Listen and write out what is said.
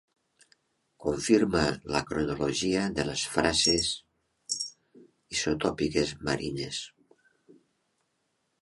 Confirma la cronologia de les fases isotòpiques marines.